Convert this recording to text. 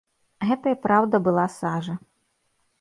Гэта і праўда была сажа.